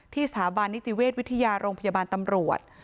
สถาบันนิติเวชวิทยาโรงพยาบาลตำรวจ